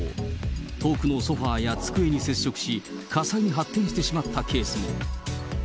遠くのソファーや机に接触し、火災に発展してしまったケースも。